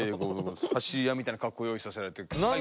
走り屋みたいな格好用意させられて。